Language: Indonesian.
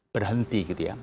berhenti gitu ya